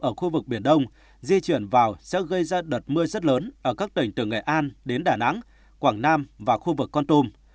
ở khu vực biển đông di chuyển vào sẽ gây ra đợt mưa rất lớn ở các tỉnh từ nghệ an đến đà nẵng quảng nam và khu vực con tum